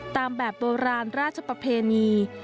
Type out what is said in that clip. ตามแบบโบราณราชประเพณี